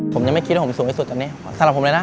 ผมยังไม่คิดว่าผมสูงที่สุดตอนนี้สำหรับผมเลยนะ